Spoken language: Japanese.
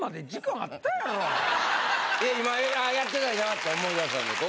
今やってないなと思い出したんで。